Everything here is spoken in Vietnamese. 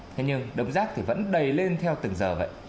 thế nhưng đống rác thì vẫn đầy lên theo từng giờ vậy